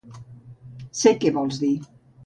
Sé què vols dir.